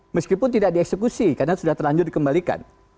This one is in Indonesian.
meskipun tidak dieksekusi karena sudah terlanjur dikembalikan